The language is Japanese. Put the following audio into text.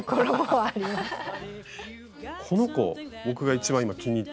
この子僕が一番今気に入ってる。